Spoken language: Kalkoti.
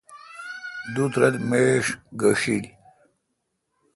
دُت رل میڄ گݭیل